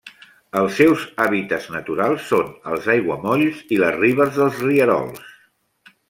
Els seus hàbitats naturals són els aiguamolls i les ribes dels rierols.